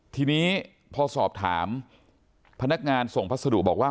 ทีนี้พอสอบถามพนักงานส่งพัสดุบอกว่า